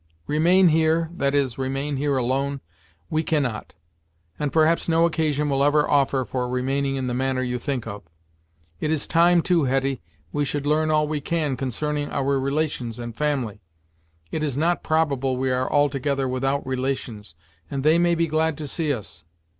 Remain here that is, remain here, alone, we cannot and perhaps no occasion will ever offer for remaining in the manner you think of. It is time, too, Hetty, we should learn all we can concerning our relations and family. It is not probable we are altogether without relations, and they may be glad to see us.